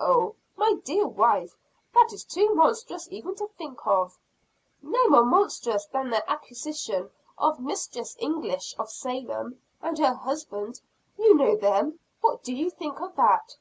"Oh, my dear wife, that is too monstrous even to think of!" "No more monstrous than their accusation of Mistress English of Salem, and her husband. You know them what do you think of that?"